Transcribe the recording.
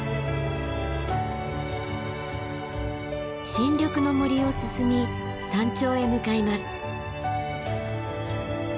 新緑の森を進み山頂へ向かいます。